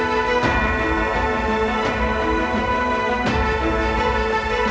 สวัสดีครับสวัสดีครับ